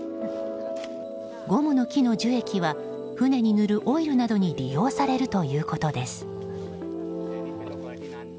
ゴムの木の樹液は船に塗るオイルなどに利用されるということです。